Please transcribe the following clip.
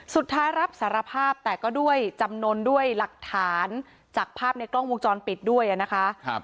สุดท้ายรับสารภาพแต่ก็ด้วยจำนวนด้วยหลักฐานจากภาพในกล้องวงจรปิดด้วยนะคะ